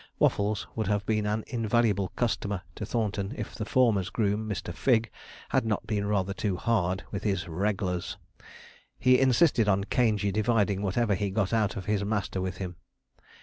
Waffles would have been an invaluable customer to Thornton if the former's groom, Mr. Figg, had not been rather too hard with his 'reg'lars.' He insisted on Caingey dividing whatever he got out of his master with him.